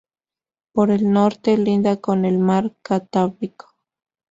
Por el norte linda con el mar Cantábrico.